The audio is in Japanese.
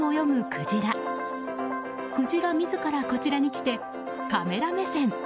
クジラ自らこちらに来てカメラ目線。